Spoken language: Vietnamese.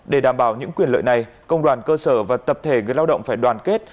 để đảm bảo những quyền lợi này công đoàn cơ sở và tập thể người lao động phải đoàn kết